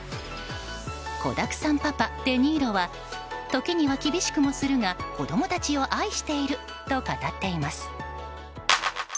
子だくさんパパ、デ・ニーロは時には厳しくもするが子供たちを愛していると語っています。